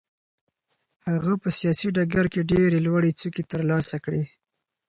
هغه په سیاسي ډګر کې ډېرې لوړې څوکې ترلاسه کړې.